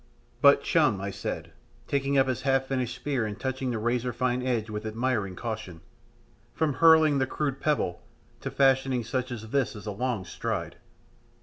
"But, chum," I said, taking up his half finished spear and touching the razor fine edge with admiring caution, "from hurling the crude pebble to fashioning such as this is a long stride.